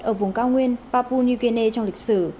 ở vùng cao nguyên papua new guinea trong lịch sử